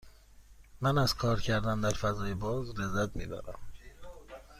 من از کار کردن در فضای باز لذت می برم.